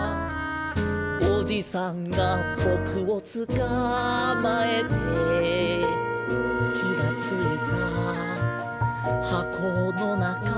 「おじさんがボクをつかまえて」「気がついた箱のなか」